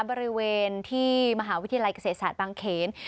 บริเวณที่มหาวิทยาลัยเกษตรศาสตร์บางเขน